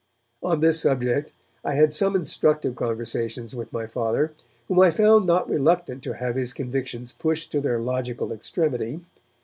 On this subject I had some instructive conversations with my Father, whom I found not reluctant to have his convictions pushed to their logical extremity.